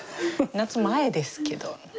夏前ですけど。